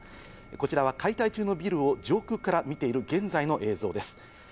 こちらは解体中のビルを上空から見ている現在の映像です。